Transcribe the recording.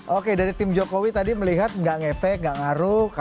oke dari tim jokowi tadi melihat nggak ngefek gak ngaruh